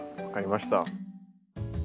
分かりました。